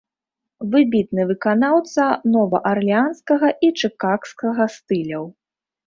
Выбітны выканаўца новаарлеанскага і чыкагскага стыляў.